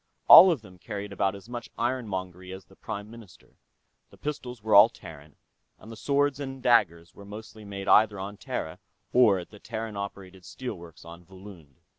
All of them carried about as much ironmongery as the Prime Minister the pistols were all Terran, and the swords and daggers were mostly made either on Terra or at the Terran operated steel works on Volund.